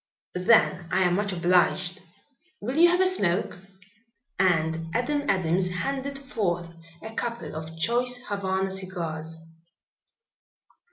"Then I am much obliged. Will you have a smoke?" and Adam Adams handed forth a couple of choice Havana cigars.